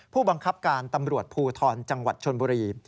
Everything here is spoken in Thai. ผู้บังคับการตำรวจภูทรจังหวัดชนบุรี